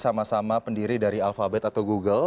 sama sama pendiri dari alfabet atau google